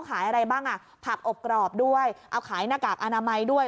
ขายอะไรบ้างอ่ะผักอบกรอบด้วยเอาขายหน้ากากอนามัยด้วย